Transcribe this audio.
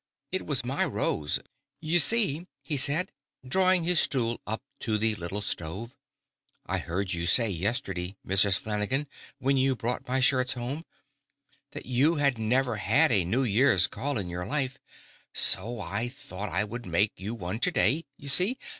It was my rose. You see," he said, drawing his stool up to the little stove, "I heard you say, yesterday, Mrs. Flanagan, when you brought my shirts home, that you had never had a New Year's call in your life; so I thought I would make you one to day, you see.